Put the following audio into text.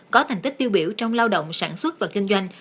có thành tích tiêu biểu trong lao động sản xuất và kinh doanh